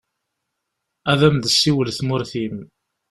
Ad am-d-tessiwel tmurt-im.